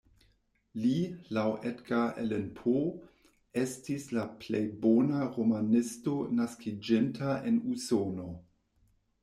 Li laŭ Edgar Allan Poe estis la plej bona romanisto naskiĝinta en Usono.